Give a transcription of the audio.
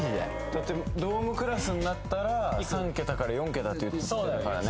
だってドームクラスになったら３桁から４桁って言ってたからね